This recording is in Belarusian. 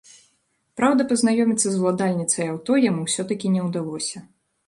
Праўда, пазнаёміцца з уладальніцай аўто яму ўсё-ткі не ўдалося.